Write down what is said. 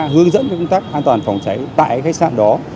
hướng dẫn công tác an toàn phòng cháy tại khách sạn đó